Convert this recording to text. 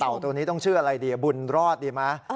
ตัวนี้ต้องชื่ออะไรดีบุญรอดดีไหม